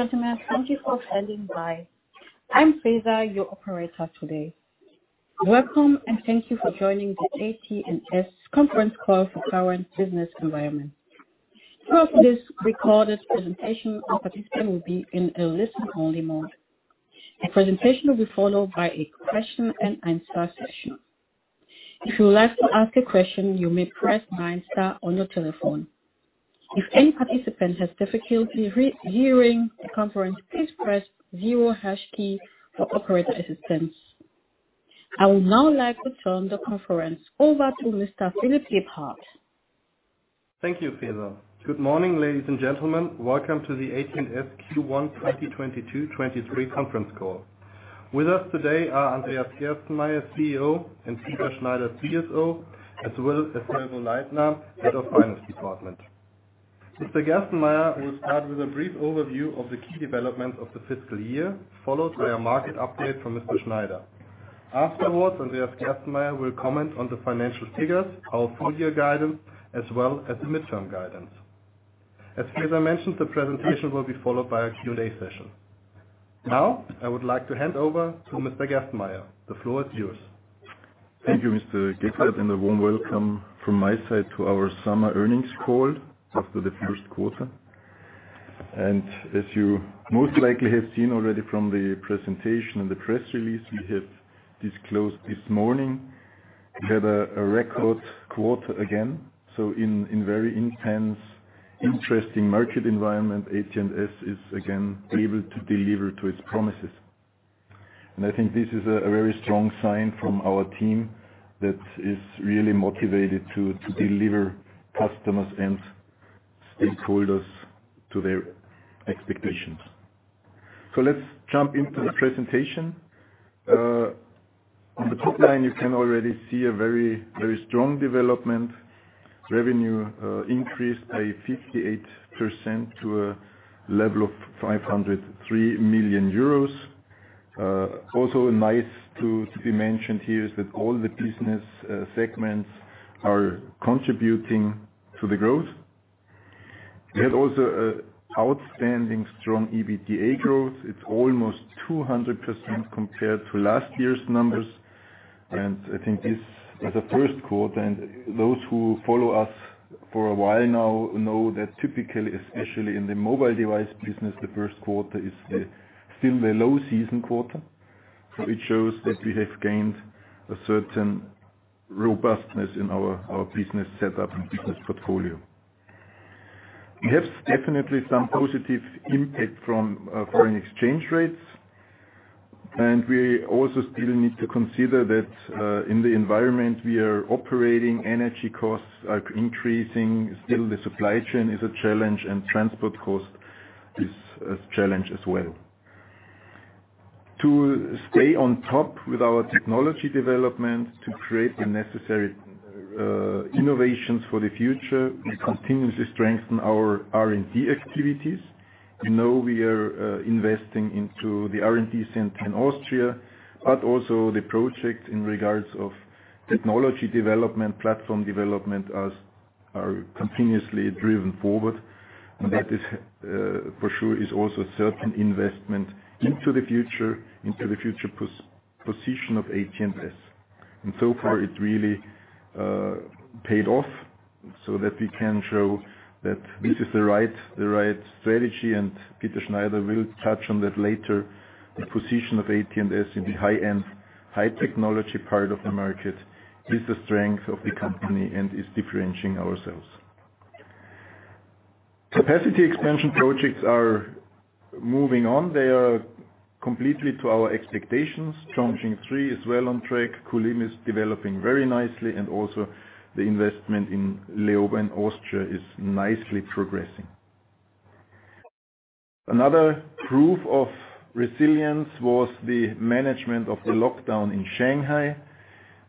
Ladies and gentlemen, thank you for standing by. I'm Fesa, your operator today. Welcome, and thank you for joining the AT&S conference call for current business environment. Throughout this recorded presentation, all participants will be in a listen-only mode. The presentation will be followed by a question-and-answer session. If you would like to ask a question, you may press star one on your telephone. If any participant has difficulty hearing the conference, please press zero hash key for operator assistance. I would now like to turn the conference over to Mr. Philipp Gebhardt. Thank you, Fesa. Good morning, ladies and gentlemen. Welcome to the AT&S Q1 2022/2023 Conference Call. With us today are Andreas Gerstenmayer, CEO, and Peter Schneider, CSO, as well as Helmut Leitner, head of finance department. Mr. Gerstenmayer will start with a brief overview of the key developments of the fiscal year, followed by a market update from Mr. Schneider. Afterwards, Andreas Gerstenmayer will comment on the financial figures, our full-year guidance, as well as the midterm guidance. As Fesa mentioned, the presentation will be followed by a Q&A session. Now I would like to hand over to Mr. Gerstenmayer. The floor is yours. Thank you, Mr. Gebhardt. A warm welcome from my side to our summer earnings call after Q1. As you most likely have seen already from the presentation and the press release we have disclosed this morning, we had a record quarter again. In very intense, interesting market environment, AT&S is again able to deliver to its promises. I think this is a very strong sign from our team that is really motivated to deliver customers and stakeholders to their expectations. Let's jump into the presentation. On the top line, you can already see a very strong development. Revenue increased by 58% to a level of 503 million euros. Also nice to be mentioned here is that all the business segments are contributing to the growth. We have an outstanding strong EBITDA growth. It's almost 200% compared to last year's numbers. I think this as a Q1, and those who follow us for a while now know that typically, especially in the mobile device business, Q1 is still the low season quarter. It shows that we have gained a certain robustness in our business setup and business portfolio. We have definitely some positive impact from foreign exchange rates, and we also still need to consider that in the environment we are operating, energy costs are increasing still. The supply chain is a challenge and transport cost is a challenge as well. To stay on top with our technology development, to create the necessary innovations for the future, we continuously strengthen our R&D activities. You know, we are investing into the R&D center in Austria, but also the project in regards of technology development, platform development as are continuously driven forward. That is for sure is also a certain investment into the future, into the future position of AT&S. So far it really paid off so that we can show that this is the right strategy, and Peter Schneider will touch on that later. The position of AT&S in the high-end, high technology part of the market is the strength of the company and is differentiating ourselves. Capacity expansion projects are moving on. They are completely to our expectations. Chongqing three is well on track. Kulim is developing very nicely, and also the investment in Leoben, Austria is nicely progressing. Another proof of resilience was the management of the lockdown in Shanghai.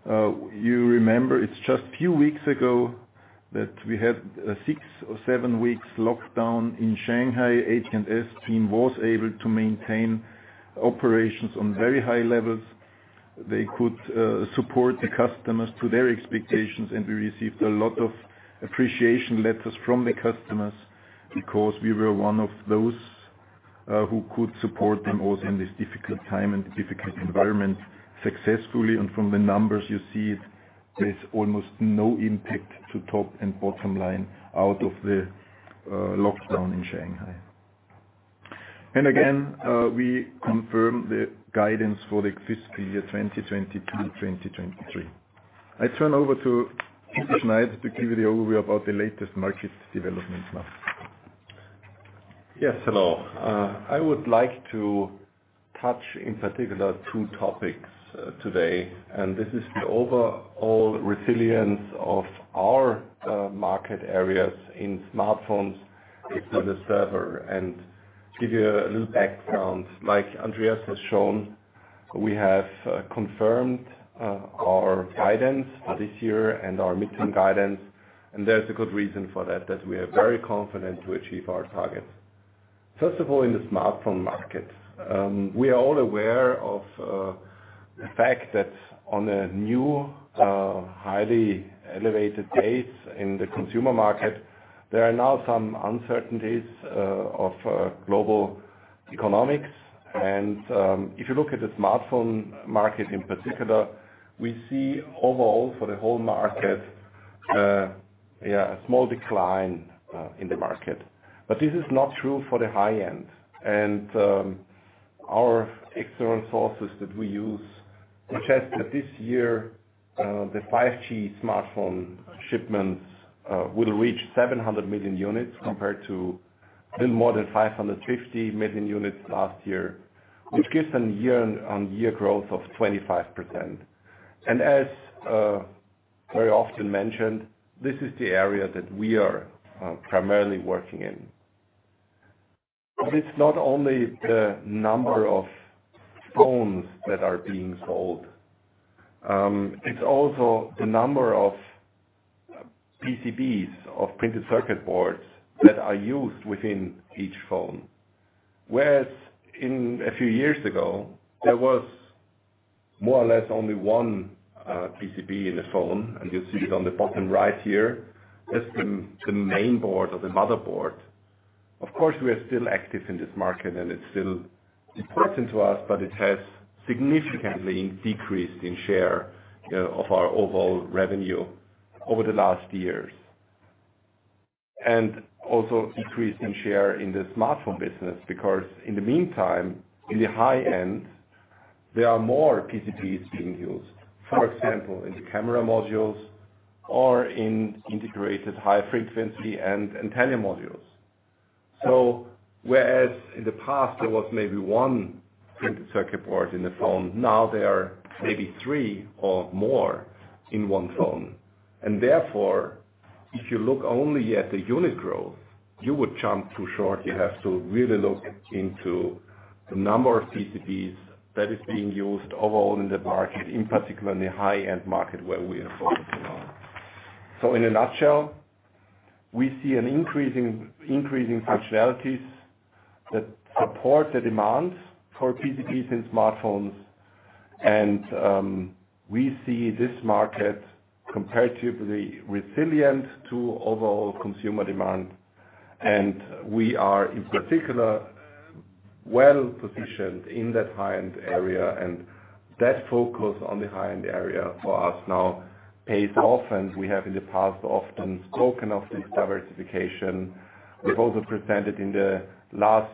You remember it's just few weeks ago that we had a six or seven weeks lockdown in Shanghai. AT&S team was able to maintain operations on very high levels. They could support the customers to their expectations, and we received a lot of appreciation letters from the customers because we were one of those who could support them also in this difficult time and difficult environment successfully. From the numbers you see, there's almost no impact to top and bottom line out of the lockdown in Shanghai. Again, we confirm the guidance for the fiscal year 2022, 2023. I turn over to Peter Schneider to give you the overview about the latest market developments now. Yes, hello. I would like to touch in particular two topics today, and this is the overall resilience of our market areas in smartphones and the server. To give you a little background, like Andreas has shown, we have confirmed our guidance for this year and our midterm guidance, and there's a good reason for that we are very confident to achieve our targets. First of all, in the smartphone market, we are all aware of the fact that at a new highly elevated pace in the consumer market, there are now some uncertainties of global economics. If you look at the smartphone market in particular, we see overall for the whole market a small decline in the market. But this is not true for the high end. Our external sources that we use suggest that this year, the 5G smartphone shipments will reach 700 million units compared to a little more than 550 million units last year, which gives a year-on-year growth of 25%. As very often mentioned, this is the area that we are primarily working in. But it's not only the number of phones that are being sold, it's also the number of PCBs, of printed circuit boards that are used within each phone. Whereas a few years ago, there was more or less only one PCB in the phone, and you'll see it on the bottom right here. That's the main board or the motherboard. Of course, we are still active in this market and it's still important to us, but it has significantly decreased in share of our overall revenue over the last years. Also decreased in share in the smartphone business, because in the meantime, in the high end, there are more PCBs being used. For example, in the camera modules or in integrated high frequency and antenna modules. Whereas in the past there was maybe one printed circuit board in the phone, now there are maybe three or more in one phone. Therefore, if you look only at the unit growth, you would jump too short. You have to really look into the number of PCBs that is being used overall in the market, in particular in the high-end market where we are focusing on. In a nutshell, we see increasing functionalities that support the demands for PCBs in smartphones. We see this market comparatively resilient to overall consumer demand. We are, in particular, well-positioned in that high-end area. That focus on the high-end area for us now pays off, and we have in the past often spoken of this diversification. We also presented in the last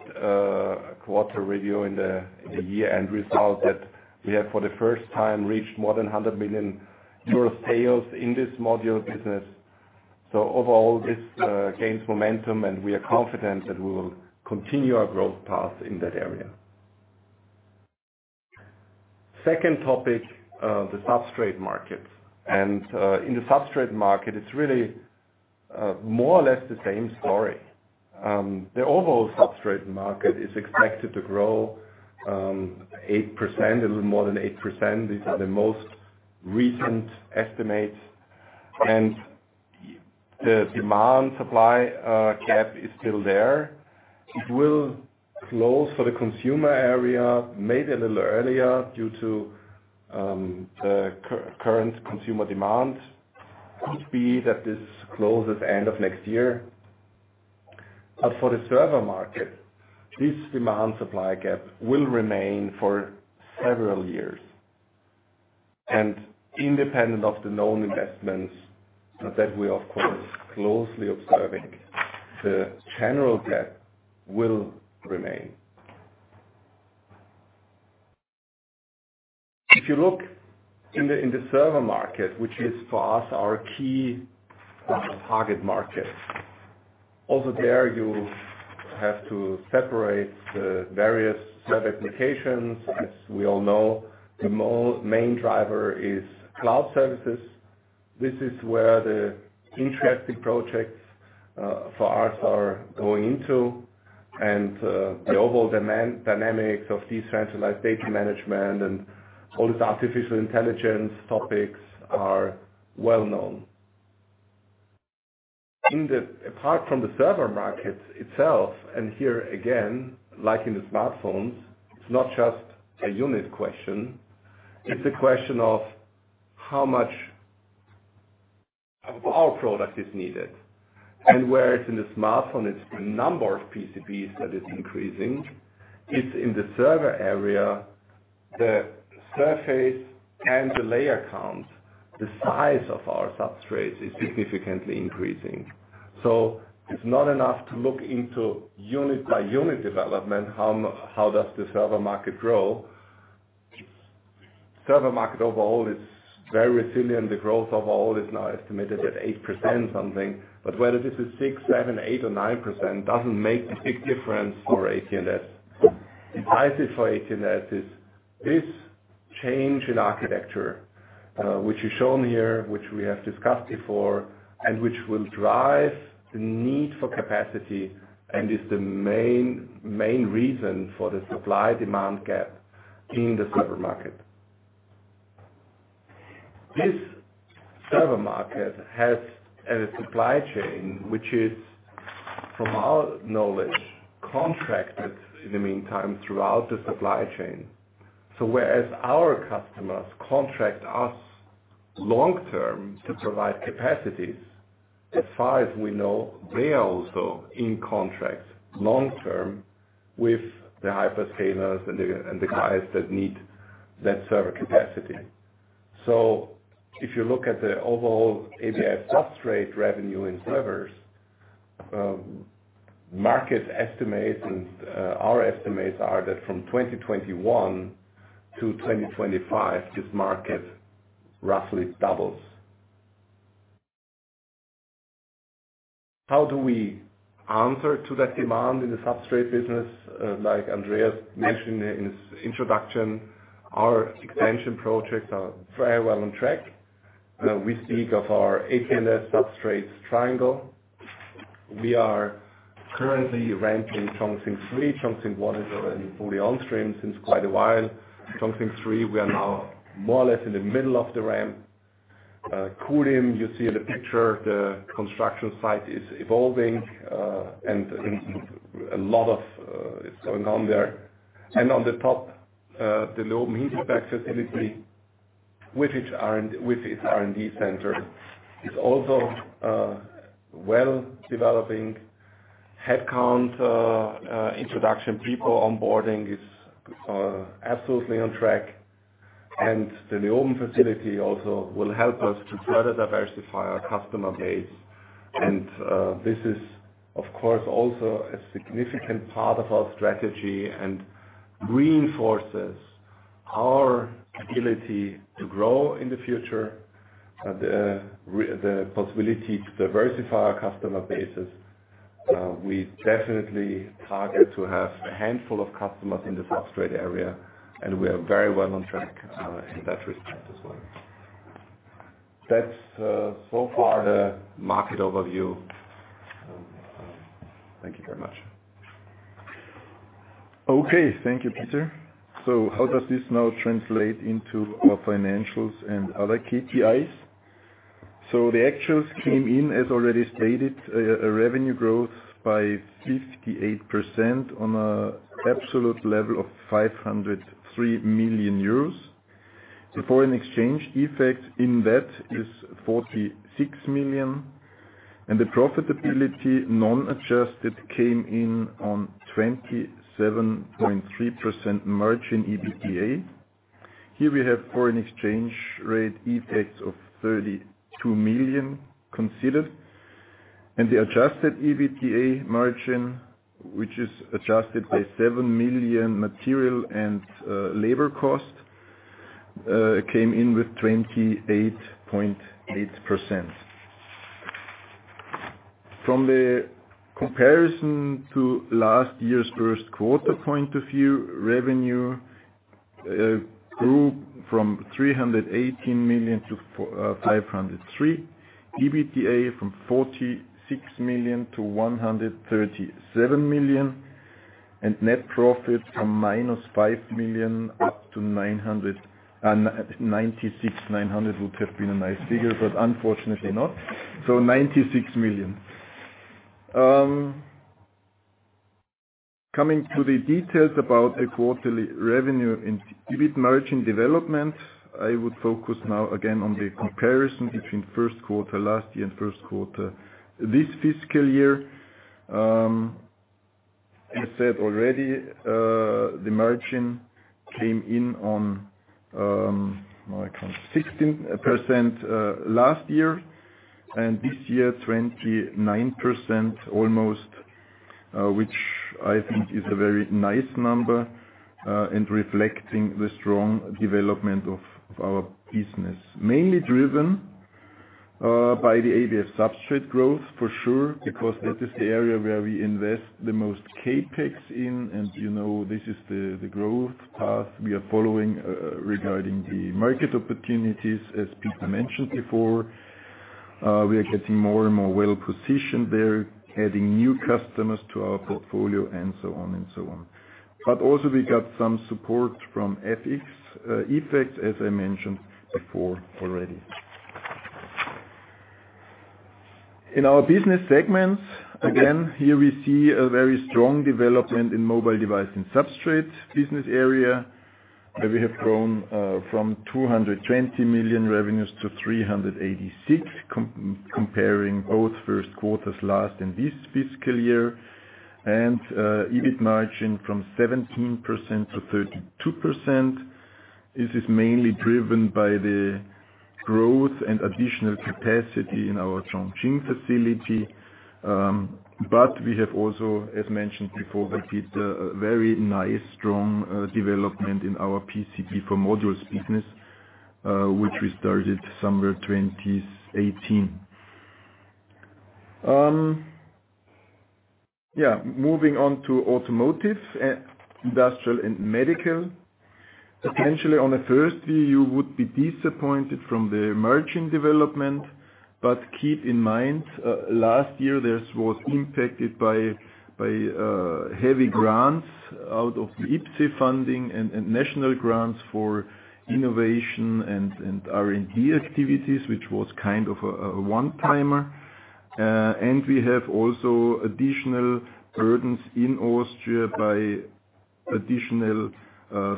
quarter review in the year-end result that we have, for the first time, reached more than 100 million euros sales in this module business. Overall, this gains momentum, and we are confident that we will continue our growth path in that area. Second topic, the substrate market. In the substrate market, it's really more or less the same story. The overall substrate market is expected to grow 8%, a little more than 8%. These are the most recent estimates. The demand-supply gap is still there. It will close for the consumer area maybe a little earlier due to current consumer demand. Could be that this closes end of next year. For the server market, this demand-supply gap will remain for several years. Independent of the known investments that we're, of course, closely observing, the general gap will remain. If you look in the server market, which is for us our key target market, also there you have to separate the various server applications. As we all know, the main driver is cloud services. This is where the interesting projects for us are going into. The overall demand dynamics of decentralized data management and all these artificial intelligence topics are well-known. Apart from the server market itself, and here again, like in the smartphones, it's not just a unit question, it's a question of how much of our product is needed. Where it's in the smartphone, it's the number of PCBs that is increasing. It's in the server area, the surface and the layer count, the size of our substrates is significantly increasing. It's not enough to look into unit-by-unit development, how does the server market grow. Server market overall is very resilient. The growth overall is now estimated at 8% something. Whether this is 6%, 7%, 8% or 9% doesn't make a big difference for AT&S. Decisive for AT&S is this change in architecture, which is shown here, which we have discussed before, and which will drive the need for capacity and is the main reason for the supply-demand gap in the server market. This server market has a supply chain which is, from our knowledge, contracted in the meantime throughout the supply chain. Whereas our customers contract us long-term to provide capacities, as far as we know, they're also in contracts long-term with the hyperscalers and the guys that need that server capacity. If you look at the overall ABF substrate revenue in servers, market estimates and our estimates are that from 2021 to 2025, this market roughly doubles. How do we answer to that demand in the substrate business? Like Andreas mentioned in his introduction, our expansion projects are very well on track. We speak of our AT&S substrates triangle. We are currently ramping Chongqing 3. Chongqing 1 is fully on stream since quite a while. Chongqing 3, we are now more or less in the middle of the ramp. Kulim, you see in the picture, the construction site is evolving, and a lot is going on there. On the top, the Leoben manufacturing facility with its R&D center is also well developing. Headcount introduction, people onboarding is absolutely on track. The Leoben facility also will help us to further diversify our customer base. This is, of course, also a significant part of our strategy and reinforces our ability to grow in the future, the possibility to diversify our customer bases. We definitely target to have a handful of customers in the substrate area, and we are very well on track in that respect as well. That's so far the market overview. Thank you very much. Thank you, Peter. How does this now translate into our financials and other KPIs? The actuals came in, as already stated, a revenue growth by 58% on a absolute level of 503 million euros. The foreign exchange effect in that is 46 million. The profitability non-adjusted came in on 27.3% margin EBITDA. Here we have foreign exchange rate effects of 32 million considered. The Adjusted EBITDA margin, which is adjusted by 7 million material and labor costs, came in with 28.8%. From the comparison to last year's Q1 point of view, revenue grew from 318 to 503 million. EBITDA from 46 to 137 million. Net profit from - 5 million up to 96 million. 900 million would have been a nice figure, but unfortunately not. 96 million. Coming to the details about the quarterly revenue and EBIT margin development, I would focus now again on the comparison between Q1 last year and Q1 this fiscal year. I said already, the margin came in at 16% last year, and this year, 29% almost, which I think is a very nice number, and reflecting the strong development of our business. Mainly driven by the ABF substrate growth, for sure, because that is the area where we invest the most CapEx in. You know, this is the growth path we are following, regarding the market opportunities, as Peter mentioned before. We are getting more and more well-positioned there, adding new customers to our portfolio and so on. We got some support from FX effects, as I mentioned before already. In our business segments, again, here we see a very strong development in mobile device and substrates business area, where we have grown from 220 revenues to 386 million, comparing both Q1s last and this fiscal year. EBIT margin from 17% to 32%. This is mainly driven by the growth and additional capacity in our Chongqing facility. We have also, as mentioned before by Peter, a very nice, strong development in our PCB for modules business, which we started somewhere 2018. Yeah. Moving on to automotive, industrial and medical. Potentially, on a first view, you would be disappointed by the margin development. Keep in mind, last year, this was impacted by heavy grants out of the IPCEI funding and national grants for innovation and R&D activities, which was kind of a one-timer. We have also additional burdens in Austria by additional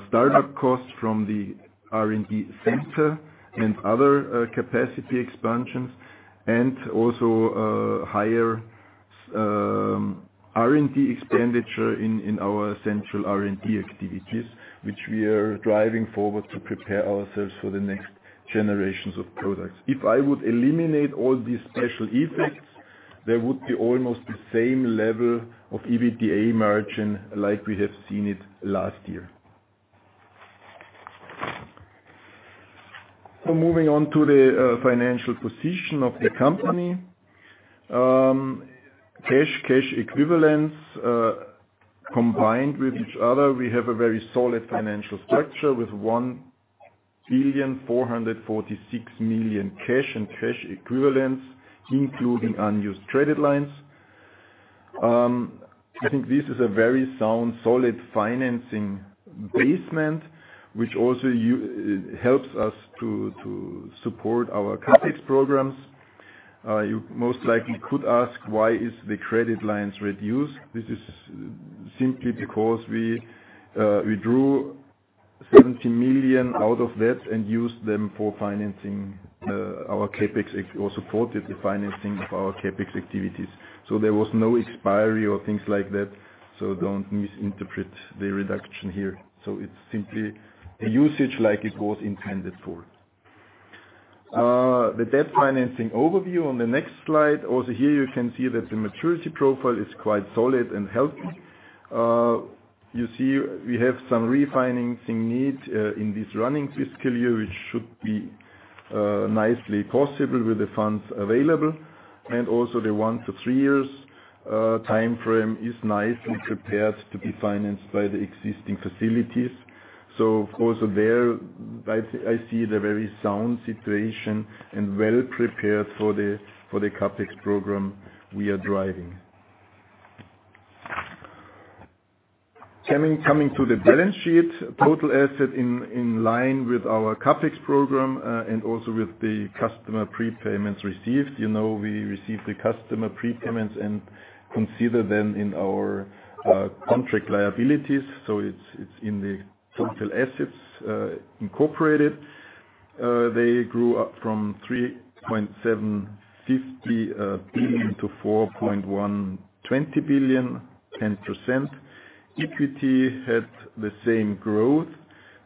startup costs from the R&D center and other capacity expansions, and also higher R&D expenditure in our central R&D activities, which we are driving forward to prepare ourselves for the next generations of products. If I would eliminate all these special effects, there would be almost the same level of EBITDA margin like we have seen it last year. Moving on to the financial position of the company. Cash and cash equivalents, combined with each other, we have a very solid financial structure with 1,446 million cash and cash equivalents, including unused credit lines. I think this is a very sound, solid financing base, which also helps us to support our CapEx programs. You most likely could ask, "Why is the credit lines reduced?" This is simply because we drew 70 million out of that and used them for financing our CapEx, or supported the financing of our CapEx activities. There was no expiry or things like that, so don't misinterpret the reduction here. It's simply a usage like it was intended for. The debt financing overview on the next slide. Also here you can see that the maturity profile is quite solid and healthy. You see we have some refinancing need in this running fiscal year, which should be nicely possible with the funds available. Also the one to three years timeframe is nicely prepared to be financed by the existing facilities. Of course, there I see the very sound situation and well prepared for the CapEx program we are driving. Coming to the balance sheet. Total assets in line with our CapEx program and also with the customer prepayments received. You know we received the customer prepayments and consider them in our contract liabilities, so it's in the total assets incorporated. They grew up from 3.75 to 4.12 billion, 10%. Equity had the same growth,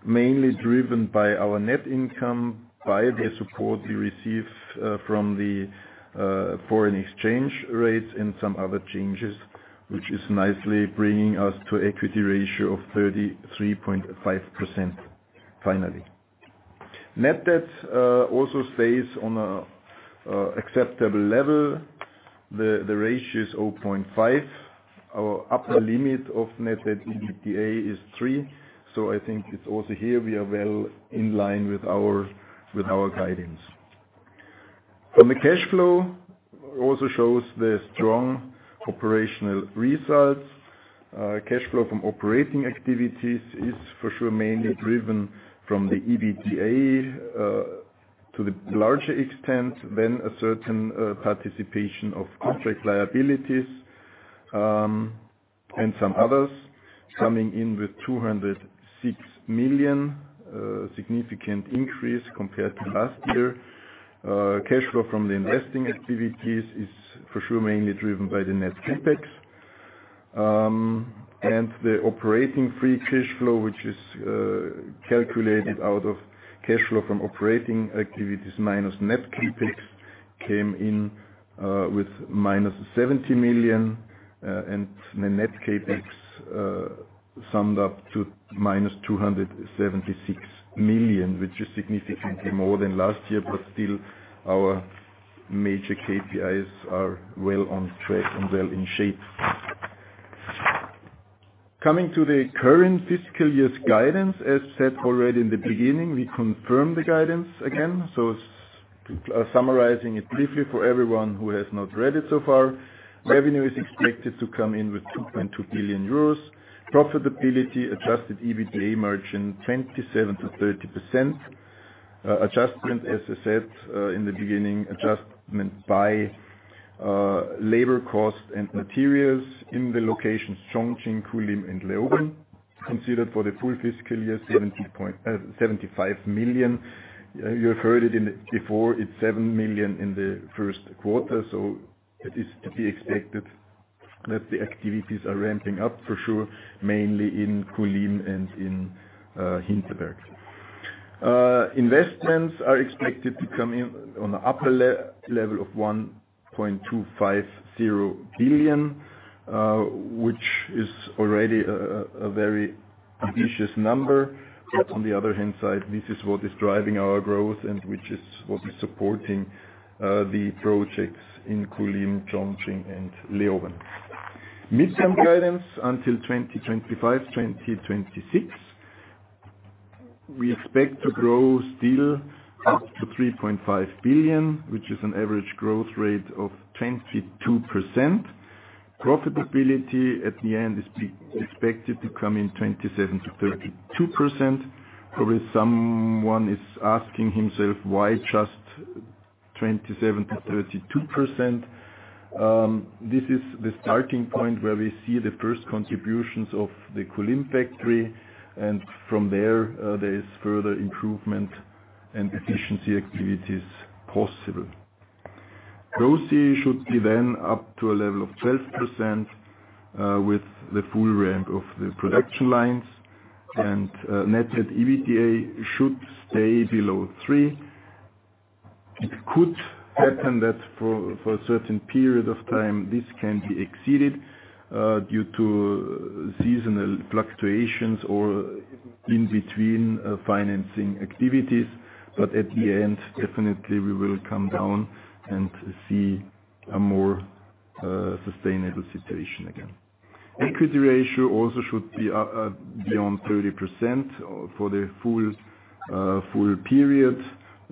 mainly driven by our net income, by the support we receive from the foreign exchange rates and some other changes, which is nicely bringing us to equity ratio of 33.5% finally. Net debt also stays on an acceptable level. The ratio is 0.5. Our upper limit of net debt to EBITDA is three. I think it's also here we are well in line with our guidance. The cash flow also shows the strong operational results. Cash flow from operating activities is for sure mainly driven from the EBITDA to the larger extent than a certain participation of contract liabilities and some others. Coming in with 206 million, significant increase compared to last year. Cash flow from the investing activities is for sure mainly driven by the net CapEx. The operating free cash flow, which is calculated out of cash flow from operating activities minus net CapEx, came in with -70 million, and the net CapEx summed up to -276 million, which is significantly more than last year, but still our major KPIs are well on track and well in shape. Coming to the current fiscal year's guidance. As said already in the beginning, we confirm the guidance again. Summarizing it briefly for everyone who has not read it so far. Revenue is expected to come in with 2.2 billion euros. Profitability, Adjusted EBITDA margin, 27%-30%. Adjustment, as I said in the beginning, by labor cost and materials in the locations Chongqing, Kulim, and Leoben. Considered for the full fiscal year, 75 million. You have heard it before, it's 7 million in Q1. It is to be expected that the activities are ramping up for sure, mainly in Kulim and in Hinterberg. Investments are expected to come in on the upper level of 1.250 billion, which is already a very ambitious number. On the other hand side, this is what is driving our growth and which is what is supporting the projects in Kulim, Chongqing, and Leoben. Midterm guidance until 2025, 2026. We expect to grow sales up to 3.5 billion, which is an average growth rate of 22%. Profitability at the end is expected to come in 27%-32%. Probably someone is asking himself, why just 27%-32%? This is the starting point where we see the first contributions of the Kulim factory, and from there is further improvement and efficiency activities possible. ROCE should be then up to a level of 12%, with the full ramp of the production lines. Net debt EBITDA should stay below three. It could happen that for a certain period of time, this can be exceeded, due to seasonal fluctuations or in between, financing activities. At the end, definitely we will come down and see a more sustainable situation again. Equity ratio also should be up beyond 30% for the full period.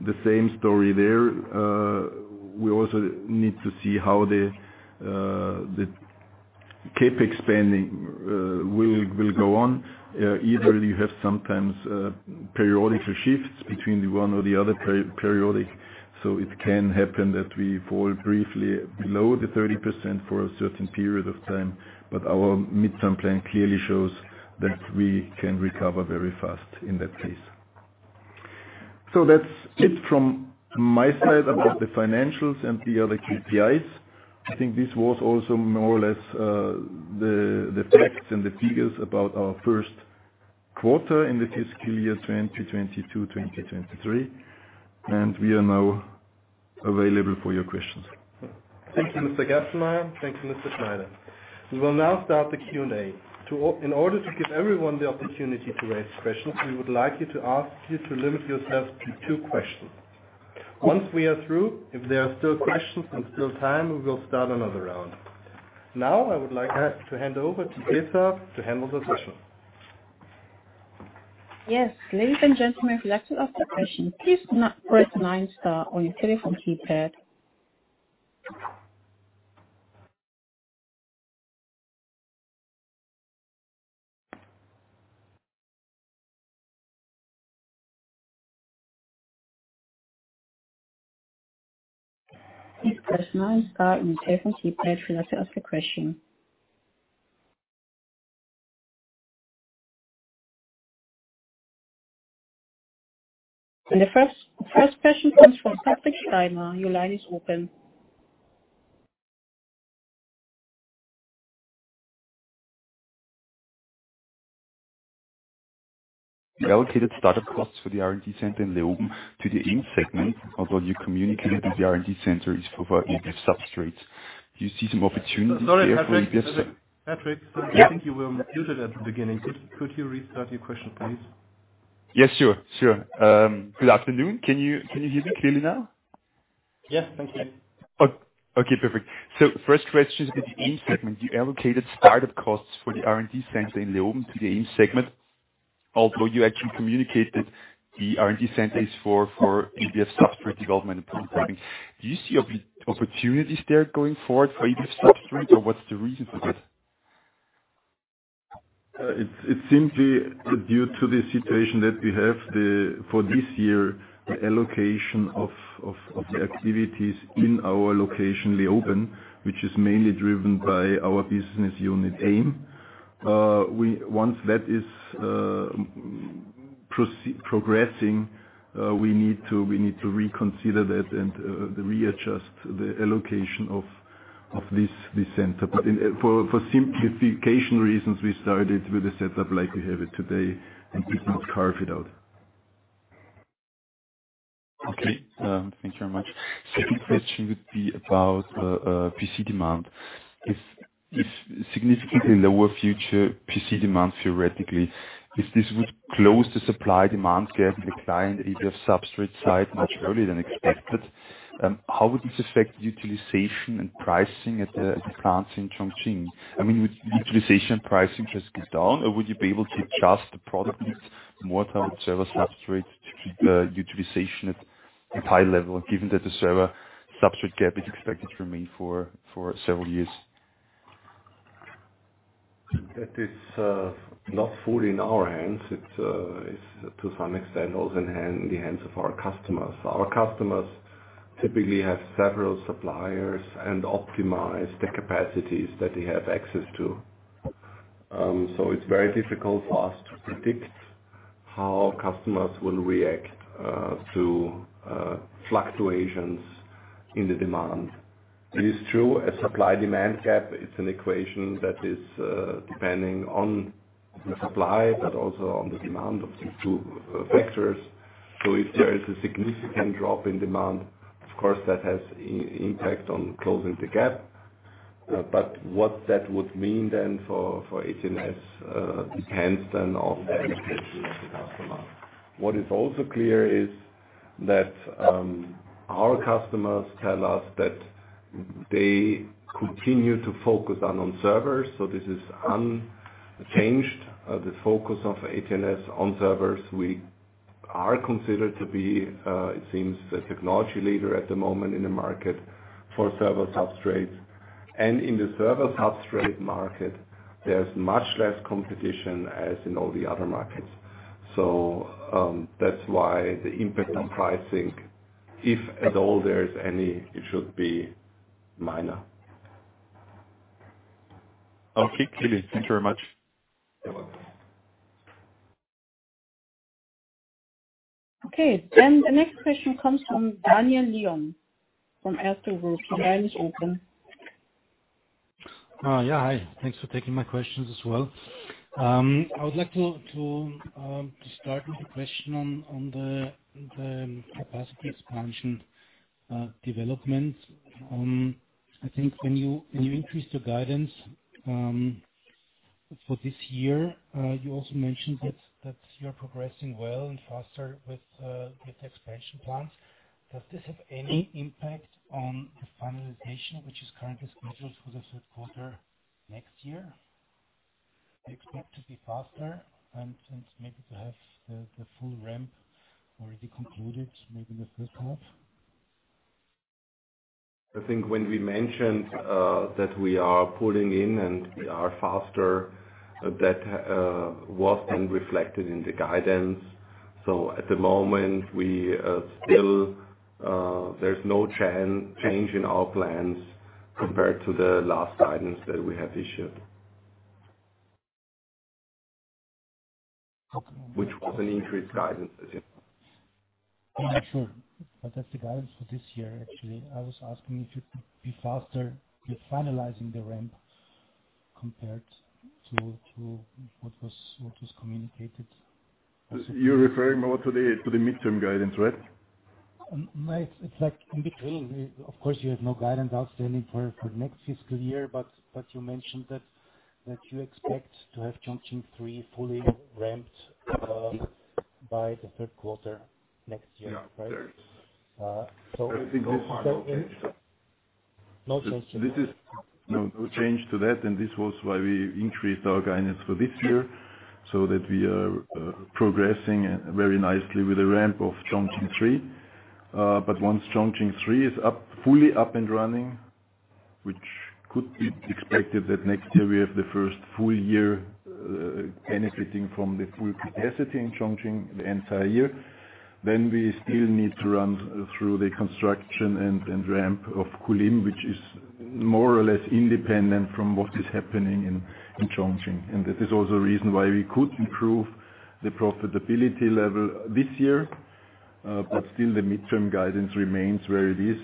The same story there. We also need to see how the CapEx spending will go on. Either you have sometimes periodic shifts between the one or the other periodic, so it can happen that we fall briefly below the 30% for a certain period of time. Our midterm plan clearly shows that we can recover very fast in that case. That's it from my side about the financials and the other KPIs. I think this was also more or less the facts and the figures about our Q1 in the fiscal year 2022, 2023, and we are now available for your questions. Thank you, Mr. Gerstenmayer. Thank you, Mr. Schneider. We will now start the Q&A. In order to give everyone the opportunity to raise questions, we would like to ask you to limit yourself to two questions. Once we are through, if there are still questions and still time, we will start another round. Now I would like to hand over to Fesa to handle the questions. Yes. Ladies and gentlemen, if you'd like to ask a question, please press nine star on your telephone keypad. Please press nine star on your telephone keypad if you'd like to ask a question. The first question comes from Patrick Steiner. Your line is open. The allocated start-up costs for the R&D center in Leoben to the AIM segment, although you communicated the R&D center is for ABF substrates. Do you see some opportunities there for ABF- Sorry, Patrick. Yeah. I think you were muted at the beginning. Could you restart your question, please? Yes, sure. Good afternoon. Can you hear me clearly now? Yes. Thank you. Okay, perfect. First question is in the AIM segment, you allocated start-up costs for the R&D center in Leoben to the AIM segment, although you actually communicated the R&D center is for ABF substrate development and prototyping. Do you see opportunities there going forward for ABF substrates, or what's the reason for this? It's simply due to the situation that we have for this year, the allocation of the activities in our location, Leoben, which is mainly driven by our business unit, AIM. Once that is progressing, we need to reconsider that and readjust the allocation of this center. For simplification reasons, we started with a setup like we have it today and did not carve it out. Okay. Thank you very much. Second question would be about PC demand. If significantly lower future PC demand theoretically, if this would close the supply demand gap with the client ABF substrate side much earlier than expected, how would you expect utilization and pricing at the plants in Chongqing? I mean, would utilization pricing just go down, or would you be able to adjust the product mix more toward server substrates to keep the utilization at high level, given that the server substrate gap is expected to remain for several years? That is not fully in our hands. It is to some extent also in the hands of our customers. Our customers typically have several suppliers and optimize the capacities that they have access to. It's very difficult for us to predict how customers will react to fluctuations in the demand. It is true a supply-demand gap is an equation that is depending on the supply but also on the demand of these two factors. If there is a significant drop in demand, of course, that has impact on closing the gap. What that would mean then for us depends then on the customer. What is also clear is that our customers tell us that they continue to focus on servers, so this is unchanged. The focus of AT&S on servers. We are considered to be, it seems, a technology leader at the moment in the market for server substrates. In the server substrate market, there's much less competition as in all the other markets. That's why the impact on pricing, if at all there is any, it should be minor. Okay. Great. Thank you very much. You're welcome. Okay. The next question comes from Daniel Lion from Erste Group. Your line is open. Yeah. Hi. Thanks for taking my questions as well. I would like to start with a question on the capacity expansion development. I think when you increased the guidance for this year, you also mentioned that you're progressing well and faster with the expansion plans. Does this have any impact on the finalization, which is currently scheduled for Q3 next year? Do you expect to be faster and maybe to have the full ramp already concluded, maybe in the first half? I think when we mentioned that we are pulling in and we are faster, that was then reflected in the guidance. At the moment we still, there's no change in our plans compared to the last guidance that we have issued. Okay. Which was an increased guidance. Actually, that's the guidance for this year. Actually, I was asking if you'd be faster with finalizing the ramp compared to what was communicated. You're referring more to the midterm guidance, right? No. It's like in between. Of course, you have no guidance outstanding for next fiscal year, but you mentioned that you expect to have Chongqing three fully ramped by Q3 next year, right? Yeah. Uh, so- Everything goes on okay. No change in that. No, no change to that, and this was why we increased our guidance for this year, so that we are progressing very nicely with the ramp of Chongqing 3. Once Chongqing 3 is up, fully up and running, which could be expected that next year we have the first full year, benefiting from the full capacity in Chongqing the entire year, then we still need to run through the construction and ramp of Kulim, which is more or less independent from what is happening in Chongqing. That is also a reason why we could improve the profitability level this year. Still the midterm guidance remains where it is,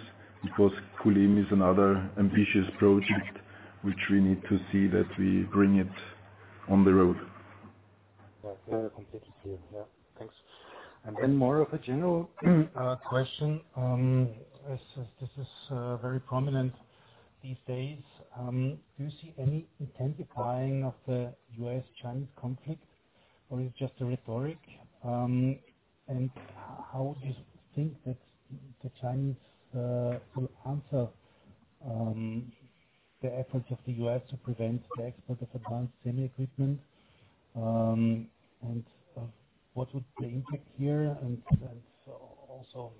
because Kulim is another ambitious project which we need to see that we bring it on the road. Yeah. No, completely clear. Yeah. Thanks. More of a general question. This is very prominent these days. Do you see any intensifying of the U.S.-Chinese conflict, or is it just rhetoric? And how would you think that the Chinese will answer the efforts of the U.S. to prevent the export of advanced semi equipment? And what would the impact here and also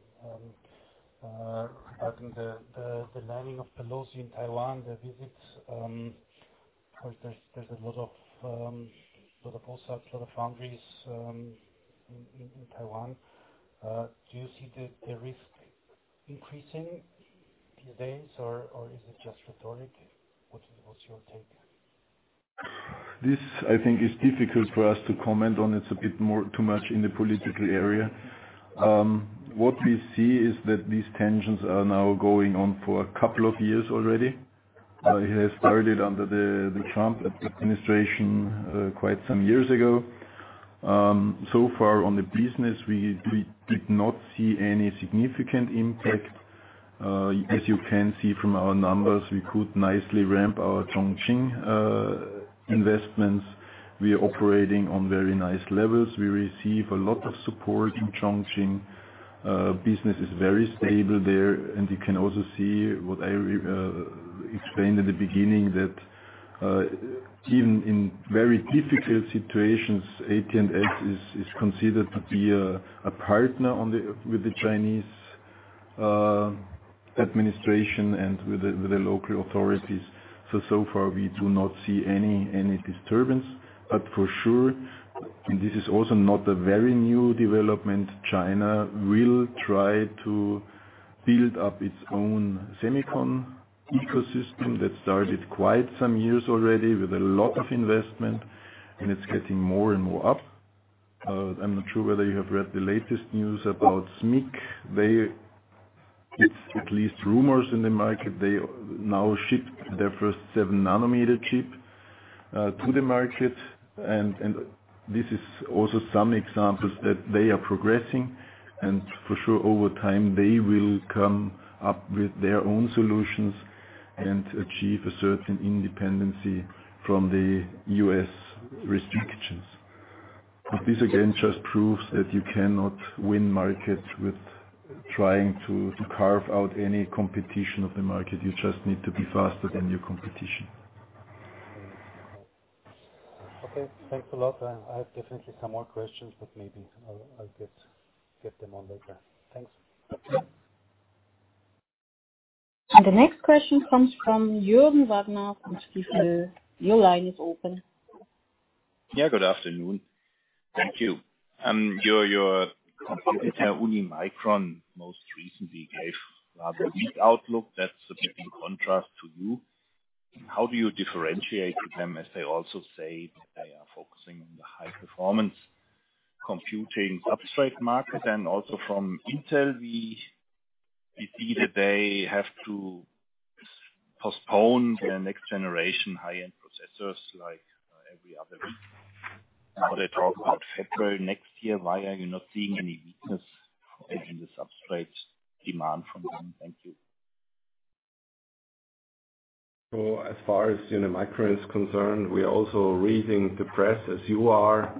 regarding the landing of Pelosi in Taiwan, the visits, of course there's a lot of foundries in Taiwan. Do you see the risk increasing these days, or is it just rhetoric? What's your take? This I think is difficult for us to comment on. It's a bit more too much in the political area. What we see is that these tensions are now going on for a couple of years already. It has started under the Trump administration quite some years ago. So far on the business, we did not see any significant impact. As you can see from our numbers, we could nicely ramp our Chongqing investments. We are operating on very nice levels. We receive a lot of support in Chongqing. Business is very stable there. You can also see what I explained in the beginning, that even in very difficult situations, AT&S is considered to be a partner with the Chinese administration and with the local authorities. So far we do not see any disturbance. For sure, this is also not a very new development. China will try to build up its own semicon ecosystem that started quite some years already with a lot of investment, and it's getting more and more up. I'm not sure whether you have read the latest news about SMIC. It's at least rumors in the market. They now ship their first 7nm chip to the market. This is also some examples that they are progressing, and for sure over time, they will come up with their own solutions and achieve a certain independence from the U.S. restrictions. This again just proves that you cannot win markets with trying to carve out any competition of the market. You just need to be faster than your competition. Okay. Thanks a lot. I have definitely some more questions, but maybe I'll get them on later. Thanks. The next question comes from Jürgen Wagner from Stifel. Your line is open. Yeah, good afternoon. Thank you. Your competitor, Unimicron, most recently gave rather weak outlook. That's a big contrast to you. How do you differentiate with them as they also say they are focusing on the high performance computing substrate market? Also from Intel, we see that they have to postpone their next generation high-end processors like every other week. Now they talk about February next year. Why are you not seeing any weakness in the substrates demand from them? Thank you. As far as Unimicron is concerned, we are also reading the press as you are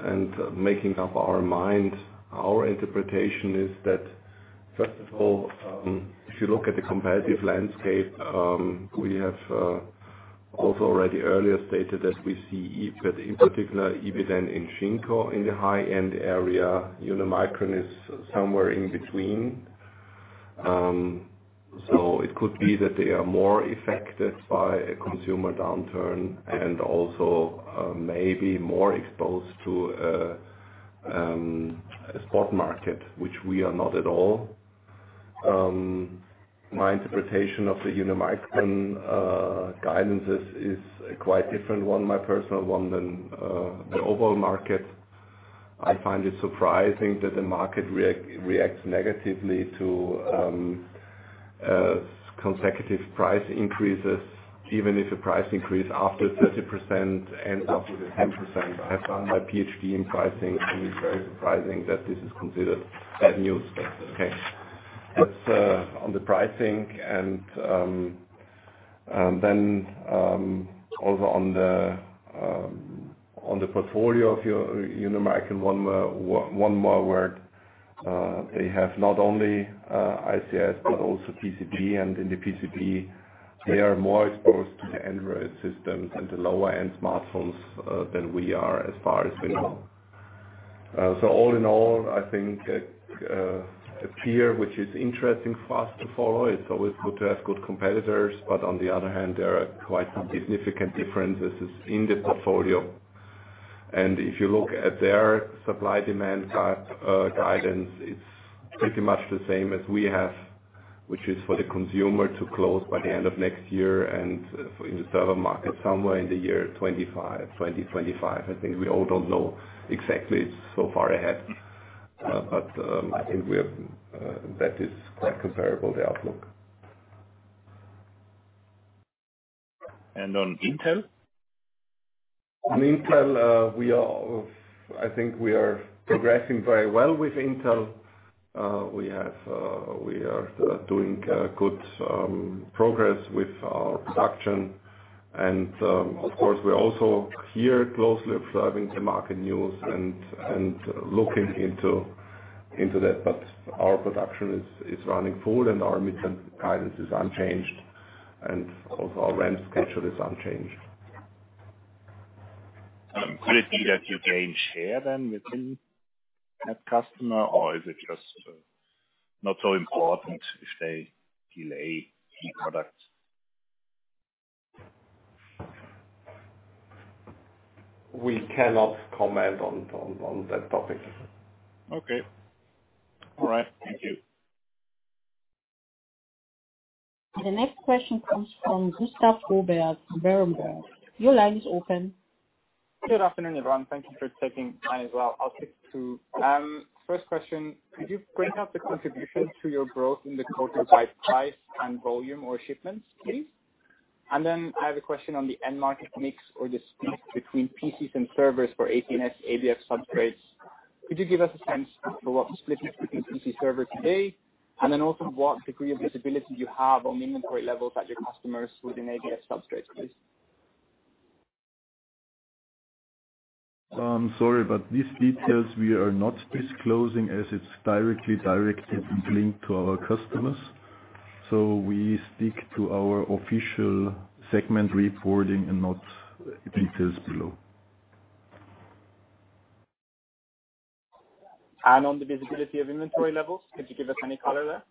and making up our mind. Our interpretation is that, first of all, if you look at the competitive landscape, we have also already earlier stated that we see in particular, Ibiden and Shinko in the high-end area. Unimicron is somewhere in between. It could be that they are more affected by a consumer downturn and also maybe more exposed to a spot market, which we are not at all. My interpretation of the Unimicron guidance is a quite different one, my personal one than the overall market. I find it surprising that the market reacts negatively to consecutive price increases, even if a price increase after 30% and up to 10%. I have done my PhD in pricing, and it's very surprising that this is considered bad news. Okay. That's on the pricing and then also on the portfolio of Unimicron one more word. They have not only ICS, but also PCBs. In the PCBs, they are more exposed to the Android systems and the lower-end smartphones than we are, as far as we know. All in all, I think a peer which is interesting for us to follow. It's always good to have good competitors, but on the other hand, there are quite some significant differences in the portfolio. If you look at their supply-demand guidance, it's pretty much the same as we have, which is for the consumer to close by the end of next year and in the server market somewhere in the year 2025. I think we all don't know exactly so far ahead, but I think that is quite comparable, the outlook. On Intel? On Intel, I think we are progressing very well with Intel. We are doing good progress with our production. Of course, we're also here closely observing the market news and looking into that. Our production is running full and our mid-term guidance is unchanged and also our ramp schedule is unchanged. Could it be that you gain share then within that customer or is it just not so important if they delay key products? We cannot comment on that topic. Okay. All right. Thank you. The next question comes from Gustav Froberg, Berenberg. Your line is open. Good afternoon, everyone. Thank you for taking my call as well. I'll take two. First question, could you break out the contribution to your growth in the quarter by price and volume or shipments, please? Then I have a question on the end market mix or the split between PCs and servers for AT&S ABF substrates. Could you give us a sense for what the split is between PCs and servers today? Then also what degree of visibility you have on the inventory levels at your customers within ABF substrates, please? I'm sorry, these details we are not disclosing as it's directly linked to our customers. We stick to our official segment reporting and not details below. On the visibility of inventory levels, could you give us any color there?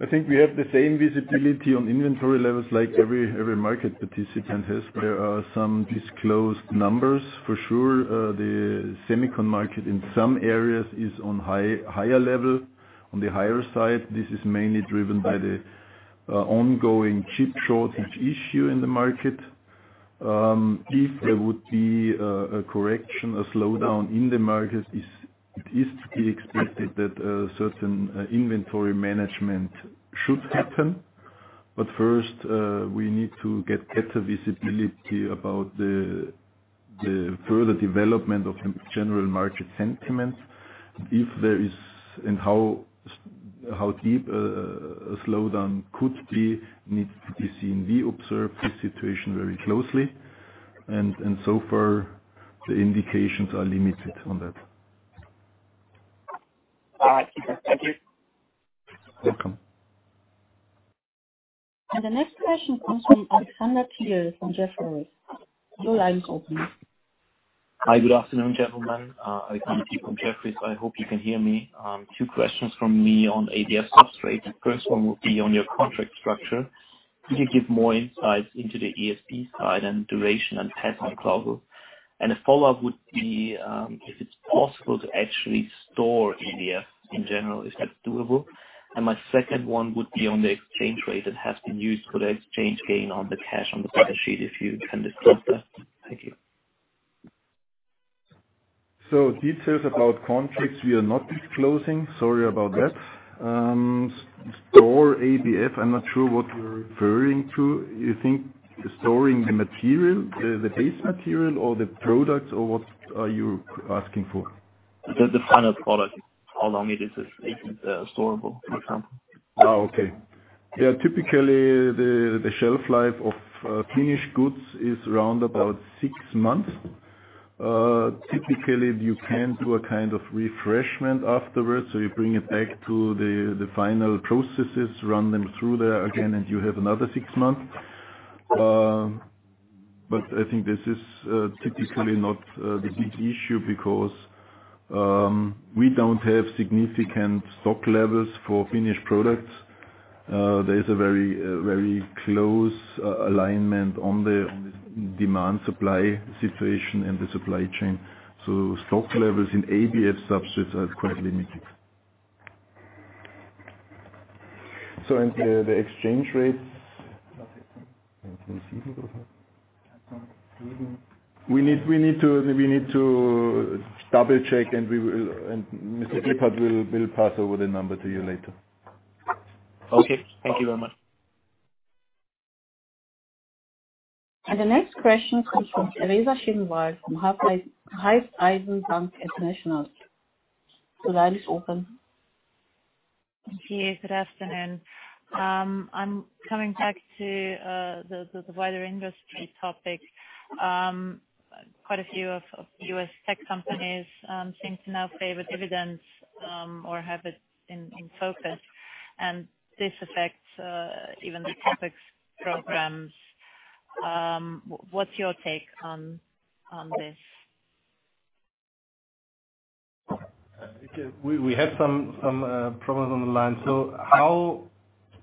I think we have the same visibility on inventory levels like every market participant has. There are some disclosed numbers for sure. The semiconductor market in some areas is on higher level. On the higher side, this is mainly driven by the ongoing chip shortage issue in the market. If there would be a correction, a slowdown in the market, it is to be expected that a certain inventory management should happen. First, we need to get better visibility about the further development of the general market sentiment. If there is and how How deep a slowdown could be needs to be seen. We observe the situation very closely and so far the indications are limited on that. All right. Thank you. Welcome. The next question comes from Alexander Peterc from Bloomberg. Your line is open. Hi. Good afternoon, gentlemen. I come to you from Jefferies. I hope you can hear me. Two questions from me on ABF substrate. The first one will be on your contract structure. Can you give more insights into the ASP side and duration and type of cover? A follow-up would be, if it's possible to actually store ABF in general, is that doable? My second one would be on the exchange rate that has been used for the exchange gain on the cash on the balance sheet, if you can discuss that. Thank you. Details about contracts we are not disclosing. Sorry about that. Storing ABF, I'm not sure what you're referring to. You think storing the material, the base material or the products, or what are you asking for? The final product. How long it is storable, for example. Okay. Yeah, typically the shelf life of finished goods is round about six months. Typically you can do a kind of refreshment afterwards, so you bring it back to the final processes, run them through there again, and you have another six months. But I think this is typically not the big issue because we don't have significant stock levels for finished products. There is a very close alignment on the demand supply situation and the supply chain. Stock levels in ABF substrates are quite limited. And the exchange rates. We need to double-check, and we will, and Mr. Leitner will pass over the number to you later. Okay. Thank you very much. The next question comes from Teresa Schinwald from Raiffeisen Bank International. Your line is open. Yes, good afternoon. I'm coming back to the wider industry topic. Quite a few U.S. tech companies seem to now favor dividends or have it in focus. This affects even the CapEx programs. What's your take on this? We have some problems on the line. How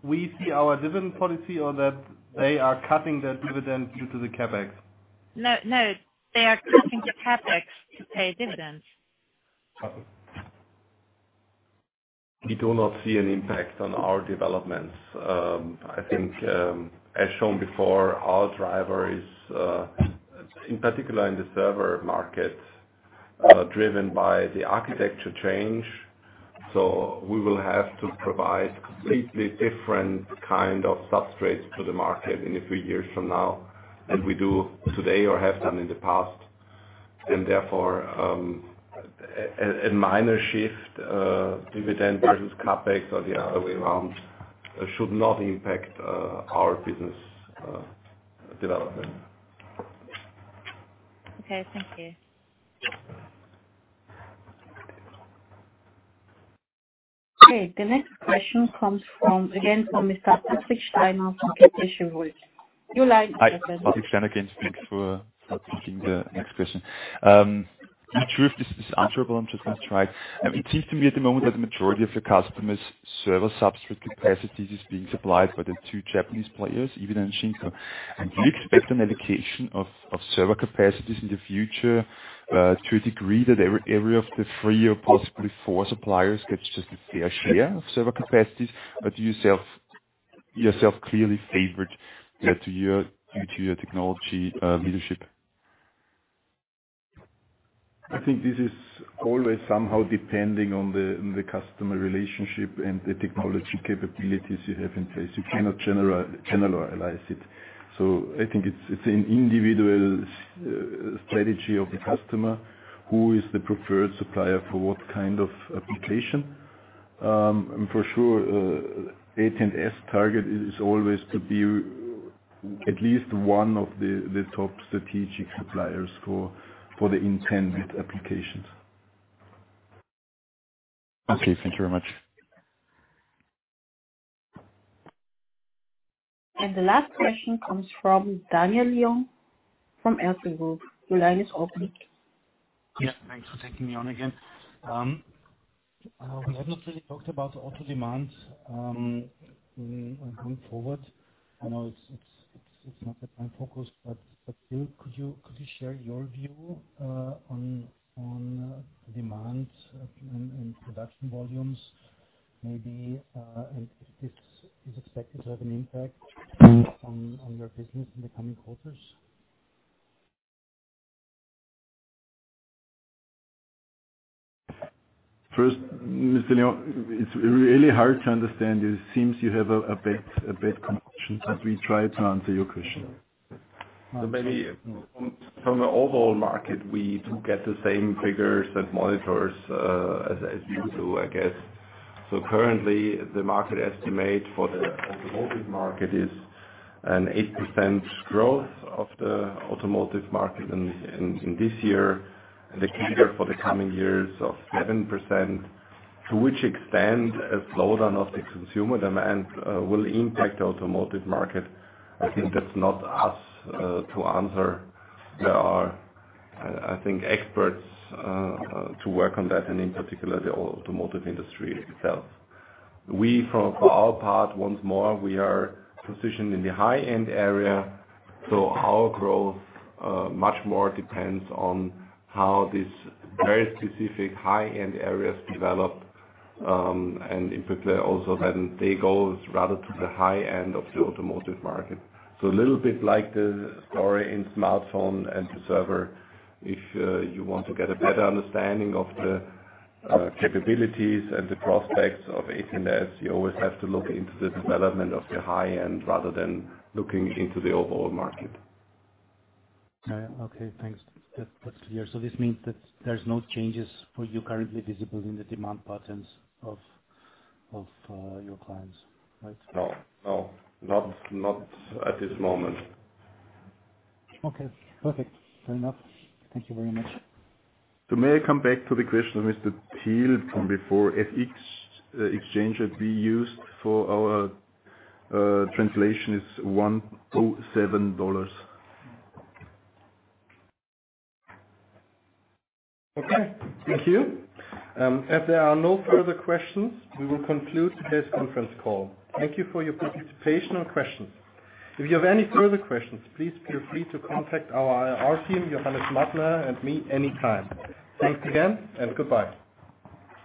we see our dividend policy or that they are cutting their dividend due to the CapEx? No, no. They are cutting the CapEx to pay dividends. We do not see an impact on our developments. I think, as shown before, our driver is, in particular in the server market, driven by the architecture change. We will have to provide completely different kind of substrates to the market in a few years from now than we do today or have done in the past. Therefore, a minor shift, dividend versus CapEx or the other way around should not impact our business development. Okay, thank you. Okay. The next question comes from, again, from Mr. Patrick Steiner from Kepler Cheuvreux. Your line is open. Hi. Patrick Steiner again. Thanks for taking the next question. Not sure if this is answerable. I'm just going to try. It seems to me at the moment that the majority of your customers' server substrate capacities is being supplied by the two Japanese players, even in Shinko. Do you expect an allocation of server capacities in the future to a degree that every of the three or possibly four suppliers gets just a fair share of server capacities? Or do you see yourself clearly favored due to your technology leadership? I think this is always somehow depending on the customer relationship and the technology capabilities you have in place. You cannot generalize it. I think it's an individual strategy of the customer who is the preferred supplier for what kind of application. AT&S target is always to be at least one of the top strategic suppliers for the intended applications. Okay. Thank you very much. The last question comes from Daniel Lion from Erste Group. Your line is open. Yes, thanks for taking me on again. We haven't really talked about auto demand going forward. I know it's not the prime focus, but still could you share your view on demand and production volumes maybe, and if this is expected to have an impact on your business in the coming quarters? First, Mr. Lion, it's really hard to understand. It seems you have a bad connection, but we try to answer your question. Maybe from the overall market, we do get the same figures and monitors as you do, I guess. Currently, the market estimate for the automotive market is an 8% growth of the automotive market in this year, and the figure for the coming years of 7%. To which extent a slowdown of the consumer demand will impact the automotive market, I think that's not us to answer. There are, I think, experts to work on that, and in particular the automotive industry itself. We for our part, once more, we are positioned in the high-end area, so our growth much more depends on how these very specific high-end areas develop, and in particular also when they go rather to the high end of the automotive market. A little bit like the story in smartphone and the server. If you want to get a better understanding of the capabilities and the prospects of AT&S, you always have to look into the development of the high end rather than looking into the overall market. Okay, thanks. That's clear. This means that there's no changes for you currently visible in the demand patterns of your clients, right? No. Not at this moment. Okay, perfect. Fair enough. Thank you very much. May I come back to the question of Mr. Peters from before? FX exchange that we used for our translation is $1-7. Okay, thank you. If there are no further questions, we will conclude today's conference call. Thank you for your participation and questions. If you have any further questions, please feel free to contact our IR team, Johannes Mattner and me, anytime. Thanks again, and goodbye.